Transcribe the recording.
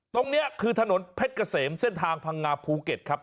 ตรงนี้คือถนนเพชรเกษมเส้นทางพังงาภูเก็ตครับ